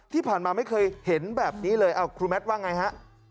ที่ผ่านมาไม่เคยเห็นแบบนี้เลยครูแมทว่าไงฮะ